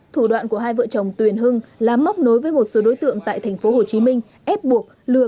thủ đoạn của hai vợ chồng tuyền hưng là móc nối với một số đối tượng tại tp hcm ép buộc lừa